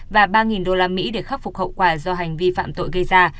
và ba usd để khắc phục hậu quả do hành vi phạm tội gây ra